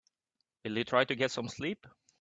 Will you try to get some sleep?